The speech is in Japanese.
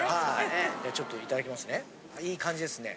ちょっといただきますね。